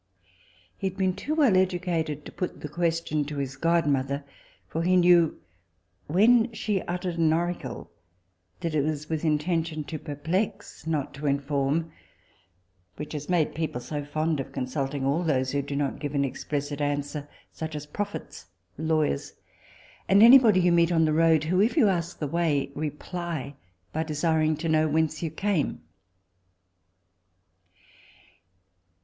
He had been too well educated to put the question to his godmother, for he knew when she uttered an oracle, that it was with intention to perplex, not to inform; which has made people so fond of consulting all those who do not give an explicit answer, such as prophets, lawyers, and any body you meet on the road, who, if you ask the way, reply by desiring to know whence you came.